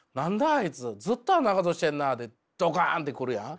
あいつずっとあんなことしてんなってドカン！って来るやん。